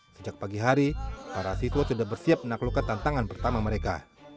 sejak pagi hari para siswa sudah bersiap menaklukkan tantangan pertama mereka